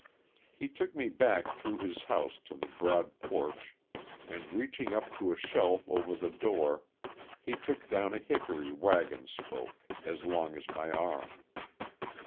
He took me back through his house to the broad porch and reaching up to a shelf over the door he took down a hickory waggon spoke, as long as my arm.